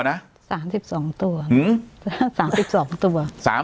๓๒ตัว